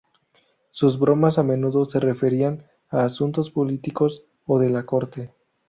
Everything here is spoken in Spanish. Sus bromas a menudo se referían a asuntos políticos o de la corte.